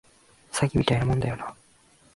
詐欺みたいなもんだよな